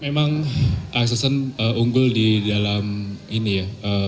memang axelsen unggul di dalam ini ya